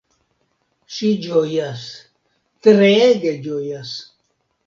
Ŝi ĝojas, treege ĝojas.